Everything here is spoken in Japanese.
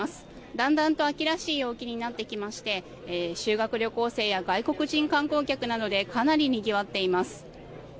だんだんと秋らしい陽気になってきまして修学旅行生や外国人観光客などでかなりにぎわっています。